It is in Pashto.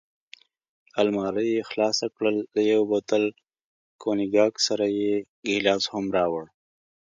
المارۍ یې خلاصه کړل، له یو بوتل کونیګاک سره یې ګیلاس هم راوړ.